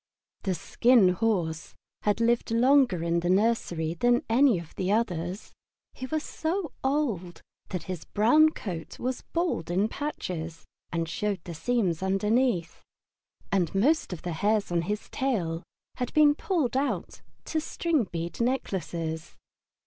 The Skin Horse had lived longer in the nursery than any of the others. He was so old that his brown coat was bald in patches and showed the seams underneath, and most of the hairs in his tail had been pulled out to string bead necklaces.